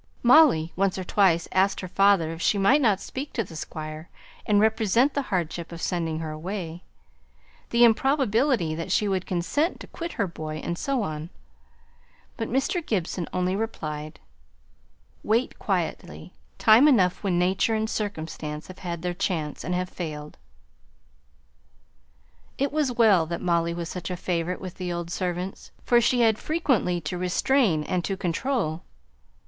Molly once or twice asked her father if she might not speak to the Squire, and represent the hardship of sending her away the improbability that she would consent to quit her boy, and so on; but Mr. Gibson only replied, "Wait quietly. Time enough when nature and circumstance have had their chance, and have failed." It was well that Molly was such a favourite with the old servants; for she had frequently to restrain and to control.